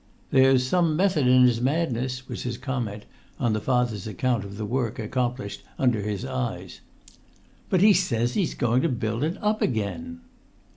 "There's some method in his madness," was his comment on the father's account of the work accomplished under his eyes. "But he says he's going to build it up again!"